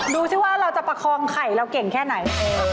ดูสิว่าเราจะประคองไข่เราเก่งแค่ไหน